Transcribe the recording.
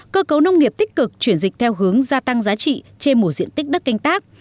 cơ cấu nông nghiệp tích cực chuyển dịch theo hướng gia tăng giá trị trên một diện tích đất canh tác